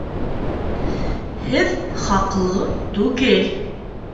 Һеҙ хаҡлы түгел